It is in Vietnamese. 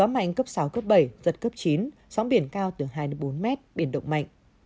bão cấp bảy giật cấp chín sóng biển cao từ hai bốn mét biển động mạnh